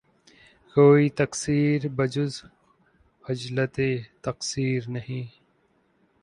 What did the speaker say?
کوئی تقصیر بجُز خجلتِ تقصیر نہیں